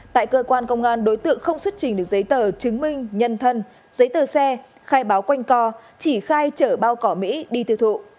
tại cơ quan công an đối tượng không xuất trình được giấy tờ chứng minh nhân thân giấy tờ xe khai báo quanh co chỉ khai chở bao cỏ mỹ đi tiêu thụ